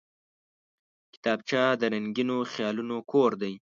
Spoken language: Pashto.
کتابچه د رنګینو خیالونو کور دی